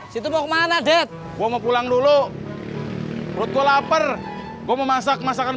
situ mau kemana det gue mau pulang dulu perut gue lapar gue mau masak masakan